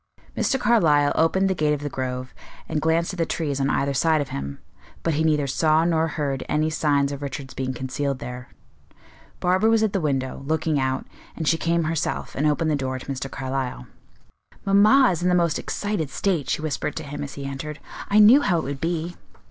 Mr. Carlyle opened the gate of the Grove, and glanced at the trees on either side of him, but he neither saw nor heard any signs of Richard's being concealed there. Barbara was at the window, looking out, and she came herself and opened the door to Mr. Carlyle. "Mamma is in the most excited state," she whispered to him as he entered. "I knew how it would be."